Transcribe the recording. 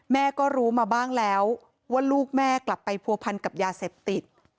แม่ก็รู้มาบ้างแล้วว่าลูกแม่กลับไปผัวพันกับยาเสพติด